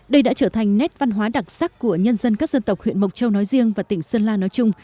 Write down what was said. đây đã trở thành nét văn hóa đặc sắc của nhân dân các dân tộc huyện mộc châu nói riêng và tỉnh sơn la nói chung